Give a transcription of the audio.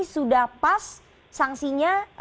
sudah pas sangsinya